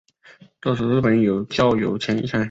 这时日本有教友一千。